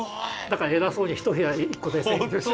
だから偉そうに１部屋１個で占領してます。